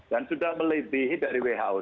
dan sudah melebihi dari who